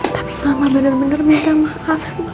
tapi mama bener bener minta maaf semua